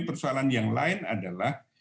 persoalan yang lain adalah